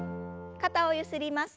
肩をゆすります。